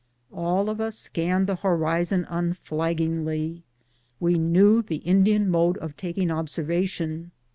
All of us scanned the horizon unflaggingly. We knew the Indian mode of taking observation.